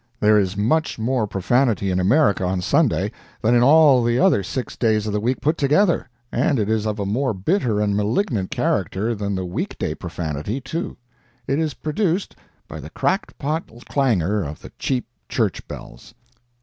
There is much more profanity in America on Sunday than in all in the other six days of the week put together, and it is of a more bitter and malignant character than the week day profanity, too. It is produced by the cracked pot clangor of the cheap church bells.